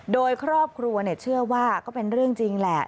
โดยครอบครัวเชื่อว่าก็เป็นเรื่องจริงแหละ